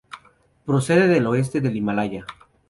Procede del oeste del Himalaya.